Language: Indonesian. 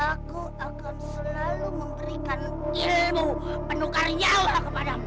aku akan selalu memberikan ilmu penukar nyawa kepadamu